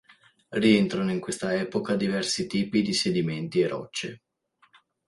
Rientrano in questa epoca diversi tipi di sedimenti e rocce.